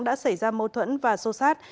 đã xảy ra mâu thuẫn và xô xát